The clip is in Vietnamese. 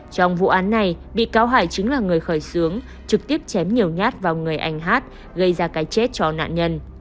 trong vụ án này bị cáo hải chính là người khởi xướng trực tiếp chém nhiều nhát vào người anh hát gây ra cái chết cho nạn nhân